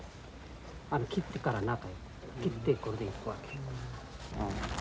切ってから中へ切ってこれでいくわけ。